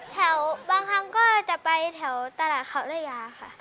บางครั้งก็จะไปแถวตลาดเขาระยาค่ะ